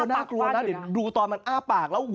น่ากลัวนะเดี๋ยวดูตอนมันอ้าปากแล้ว